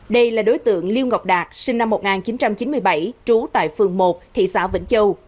đây là đối tượng liêu ngọc đạt sinh năm một nghìn chín trăm chín mươi bảy trú tại phường một thị xã vĩnh châu